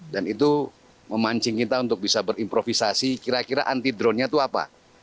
dan itu memancing kita untuk bisa berimprovisasi kira kira anti dronenya itu apa